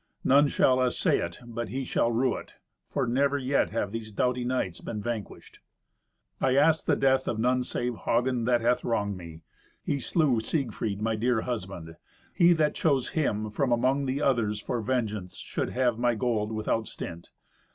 None shall essay it but he shall rue it, for never yet have these doughty knights been vanquished." "I ask the death of none save Hagen, that hath wronged me. He slew Siegfried, my dear husband. He that chose him from among the others for vengeance should have my gold without stint.